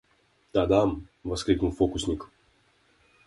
«Тадам!» — воскликнул фокусник.